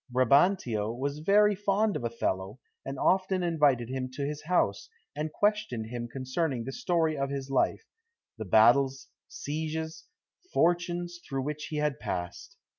Brabantio was very fond of Othello, and often invited him to his house, and questioned him concerning the story of his life the battles, sieges, fortunes, through which he had passed.